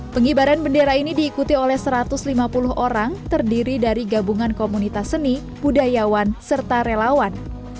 pengibaran bendera ini diikuti oleh satu ratus lima puluh orang terdiri dari gabungan komunitas seni budayawan serta relawan